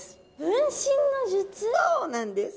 そうなんです。